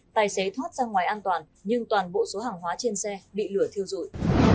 tài xế thoát ra ngoài an toàn nhưng toàn bộ số hàng hóa trên xe bị lửa thiêu dụi